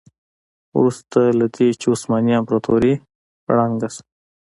وروسته له دې چې عثماني امپراتوري ړنګه شوه.